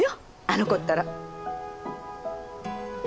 あの子ったら。